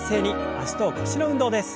脚と腰の運動です。